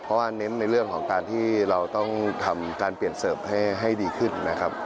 เพราะว่าเน้นในเรื่องของการที่เราต้องทำการเปลี่ยนเสิร์ฟให้ดีขึ้นนะครับ